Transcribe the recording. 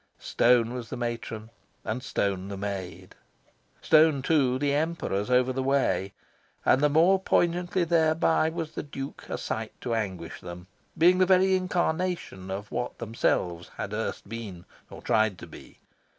Stone was the matron, and stone the maid. Stone, too, the Emperors over the way; and the more poignantly thereby was the Duke a sight to anguish them, being the very incarnation of what themselves had erst been, or tried to be.